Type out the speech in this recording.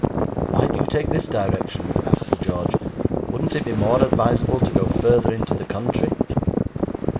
'Why do you take this direction?' asked Sir George. 'Wouldn't it be more advisable to go further into the country?'